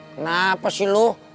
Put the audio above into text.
kenapa sih lu